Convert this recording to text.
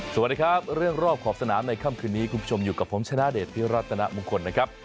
สวัสดีครับเรื่องรอบขอบสนามในค่ำคืนนี้คุณผู้ชมอยู่กับผมชนะเดชพิรัตนมงคลนะครับ